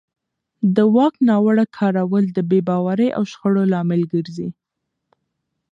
د واک ناوړه کارول د بې باورۍ او شخړو لامل ګرځي